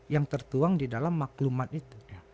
yang tertuang di dalam maklumat itu